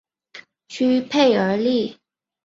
屈佩尔利。